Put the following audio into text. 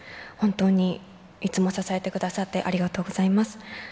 本当にいつも支えてくださってありがとうございます。